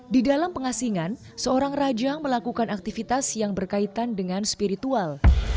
di dalam pengasingan seorang raja melakukan aktivitas yang berkaitan dengan spiritual